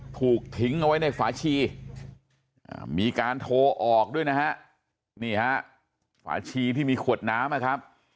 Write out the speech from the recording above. ถูกทิ้งเอาไว้ในฝาชีมีการโทรออกด้วยนะฮะนี่ฮะฝาชีที่มีขวดน้ำนะครับ